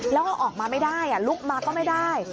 แล้วก็ออกมาไม่ได้ลุกมาก็ไม่ได้